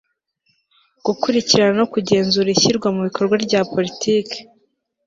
gukurikirana no kugenzura ishyirwa mu bikorwa rya politiki